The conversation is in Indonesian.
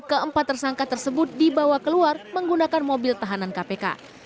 keempat tersangka tersebut dibawa keluar menggunakan mobil tahanan kpk